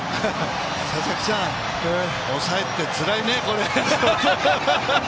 佐々木さん、抑えってつらいね。